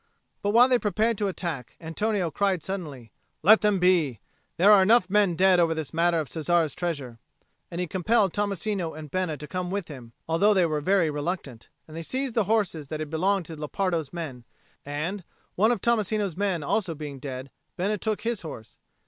But while they prepared to attack, Antonio cried suddenly, "Let them be! There are enough men dead over this matter of Cesare's treasure." And he compelled Tommasino and Bena to come with him, although they were very reluctant; and they seized horses that had belonged to Lepardo's men; and, one of Tommasino's men also being dead, Bena took his horse.